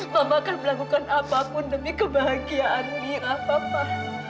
mama akan melakukan apapun demi kebahagiaan mira papa